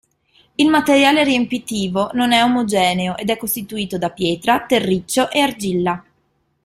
Il materiale riempitivo non è omogeneo ed è costituito da pietra, terriccio e argilla.